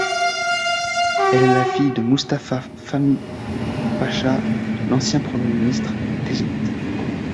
Elle est la fille de Moustapha Fahmi Pacha, l'ancien premier ministre d'Égypte.